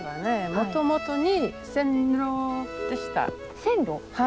もともとに線路でした。